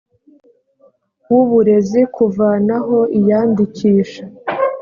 w uburezi kuvanaho iyandikisha